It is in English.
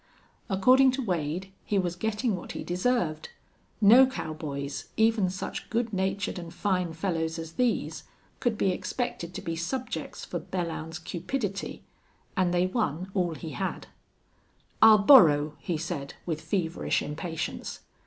According to Wade he was getting what he deserved. No cowboys, even such good natured and fine fellows as these, could be expected to be subjects for Belllounds's cupidity. And they won all he had. "I'll borrow," he said, with feverish impatience.